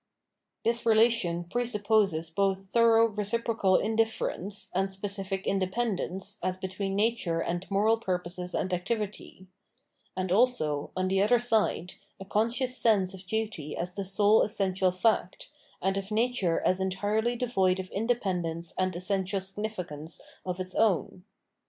This relation presupposes both thorough reciprocal indifference and specific independence as between nature and moral purposes and activity ; and also, on the other side, a conscious sense of duty as the sole essential fact, and of nature as entirely devoid of independence and essential significance of its own.